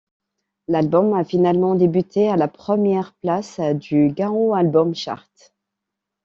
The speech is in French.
L'album a finalement débuté à la première place du Gaon Album Chart.